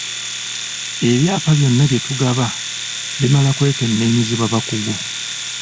Ebyapa byonna bye tugaba bimala kwekenneenyezebwa bakugu.